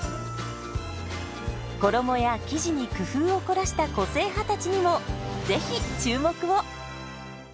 衣や生地に工夫を凝らした個性派たちにもぜひ注目を！